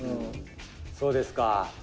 そうですか」